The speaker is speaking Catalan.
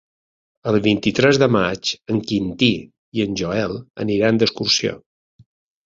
El vint-i-tres de maig en Quintí i en Joel aniran d'excursió.